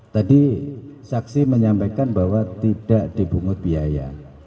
tadi saksi menyampaikan bahwa tidak dipungut biaya